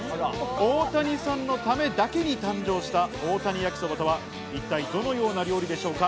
大谷さんのためだけに誕生した大谷焼きそばとは一体どのような料理でしょうか？